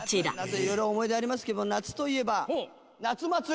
いろいろ思い出ありますけど、夏といえば、夏祭り。